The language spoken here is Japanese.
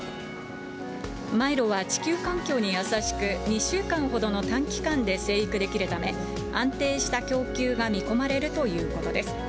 マイロは地球環境に優しく、２週間ほどの短期間で生育できるため、安定した供給が見込まれるということです。